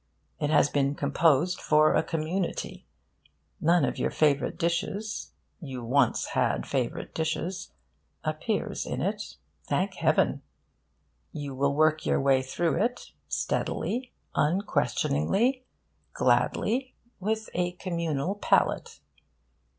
It has been composed for a community. None of your favourite dishes (you once had favourite dishes) appears in it, thank heaven! You will work your way through it, steadily, unquestioningly, gladly, with a communal palate.